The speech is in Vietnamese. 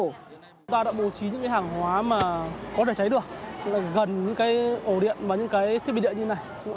chúng ta đã bố trí những cái hàng hóa mà có thể cháy được gần như cái ổ điện và những cái thiết bị điện như này